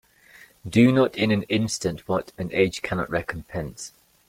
Do not in an instant what an age cannot recompense.